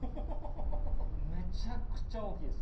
めちゃくちゃ大きいです